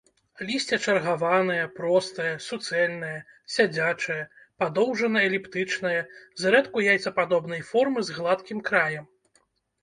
Лісце чаргаванае, простае, суцэльнае, сядзячае, падоўжана-эліптычнае, зрэдку яйцападобнай формы, з гладкім краем.